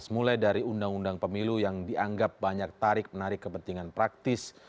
mulai dari undang undang pemilu yang dianggap banyak tarik menarik kepentingan praktis